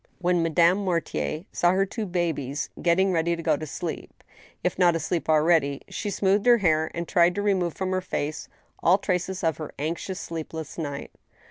When Madame Mortier saw her two babies getting ready to go to sleep, if not asleep already, she smoothed her hair and tried to remove from her face all traces of her anxious, sleepless night.